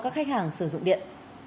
các khách hàng sử dụng điện